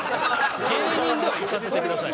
芸人ではいさせてください。